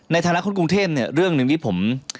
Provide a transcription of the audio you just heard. ในฐานะคนกรุงเทพเนี่ยเรื่องหนึ่งที่ผม